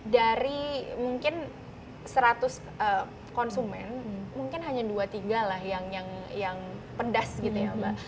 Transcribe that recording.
dari mungkin seratus konsumen mungkin hanya dua tiga lah yang pedas gitu ya mbak